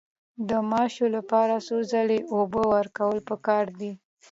د ماشو لپاره څو ځله اوبه ورکول پکار دي؟